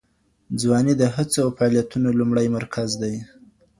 ځواني د هڅو او فعالیتونو لومړی مرکز دی.